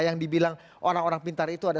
yang dibilang orang orang pintar itu ada